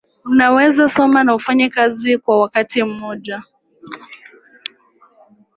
Unaweza soma na ufanye kazi kwa wakati mmoja